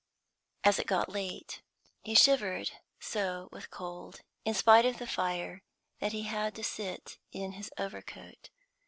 As it got late he shivered so with cold, in spite of the fire, that he had to sit in his overcoat.